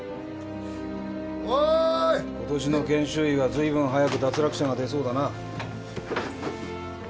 おーい今年の研修医はずいぶん早く脱落者が出そうだな